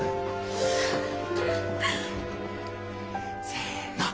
せの。